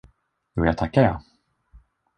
Jo, jag tackar, jag!